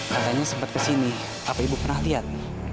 katanya sempat kesini apa ibu pernah lihat